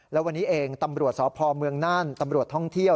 แล้ววันนี้เองตำรวจสพเมืองน่านตำรวจท่องเที่ยว